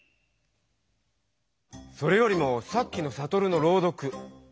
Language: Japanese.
それよりもさっきのサトルの朗読！